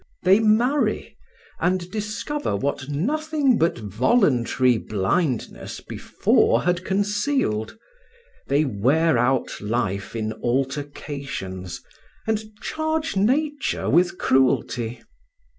They marry, and discover what nothing but voluntary blindness before had concealed; they wear out life in altercations, and charge Nature with cruelty.